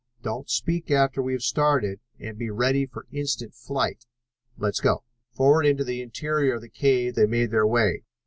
Don't speak after we have started, and be ready for instant flight. Let's go." Forward into the interior of the cave they made their way.